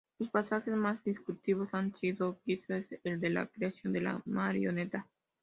Los pasajes más discutidos han sido, quizá, el de la creación de la marioneta.